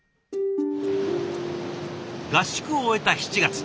合宿を終えた７月。